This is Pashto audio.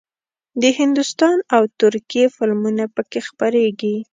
د هندوستان او ترکیې فلمونه پکې خپرېږي.